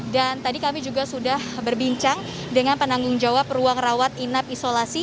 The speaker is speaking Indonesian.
dan tadi kami juga sudah berbincang dengan penanggung jawab ruang rawat inap isolasi